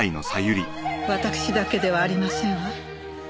わたくしだけではありませんわ。